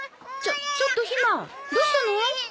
ちょっとひまどうしたの？